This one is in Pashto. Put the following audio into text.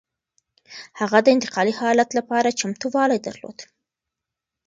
هغه د انتقالي حالت لپاره چمتووالی درلود.